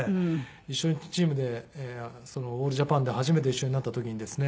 一緒にチームでオールジャパンで初めて一緒になった時にですね